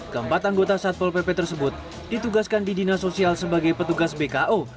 keempat anggota satpol pp tersebut ditugaskan di dinas sosial sebagai petugas bko